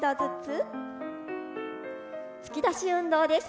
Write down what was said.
突き出し運動です。